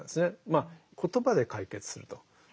まあ言葉で解決すると。